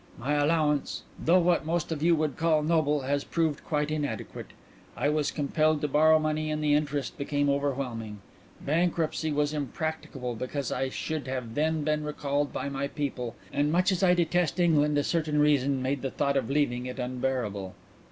My allowance, though what most of you would call noble, has proved quite inadequate. I was compelled to borrow money and the interest became overwhelming. Bankruptcy was impracticable because I should have then been recalled by my people, and much as I detest England a certain reason made the thought of leaving it unbearable."